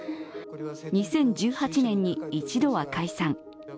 ２０１８年に一度は解散。